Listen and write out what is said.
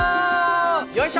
よいしょ！